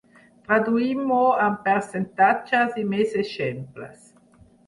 Traduïm-ho amb percentatges i més exemples.